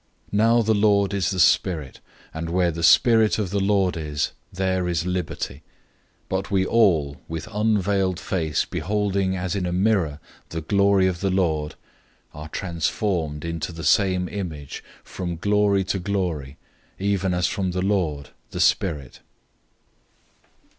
003:017 Now the Lord is the Spirit and where the Spirit of the Lord is, there is liberty. 003:018 But we all, with unveiled face beholding as in a mirror the glory of the Lord, are transformed into the same image from glory to glory, even as from the Lord, the Spirit.